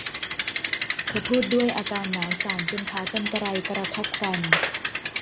เธอพูดด้วยอาการหนาวสั่นจนขากรรไกรกระทบกัน